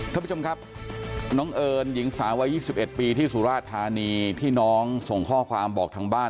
ท่านผู้ชมครับน้องเอิญหญิงสาววัย๒๑ปีที่สุราชธานีที่น้องส่งข้อความบอกทางบ้าน